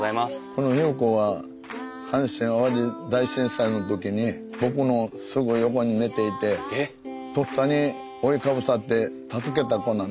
この優子は阪神・淡路大震災の時に僕のすぐ横に寝ていてとっさに覆いかぶさって助けた子なんです。